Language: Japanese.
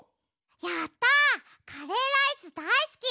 やった！カレーライスだいすき。